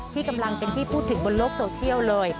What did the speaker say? ที่กำลังเป็นที่พูดถึงบนโลกโซเชียลเลย